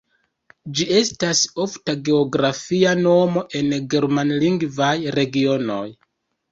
Ĝi estas ofta geografia nomo en germanlingvaj regionoj.